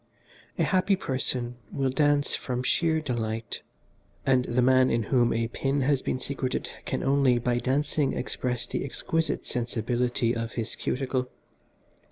A happy person will dance from sheer delight, and the man in whom a pin has been secreted can only by dancing express the exquisite sensibility of his cuticle.